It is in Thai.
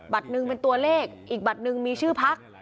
หนึ่งเป็นตัวเลขอีกบัตรหนึ่งมีชื่อพัก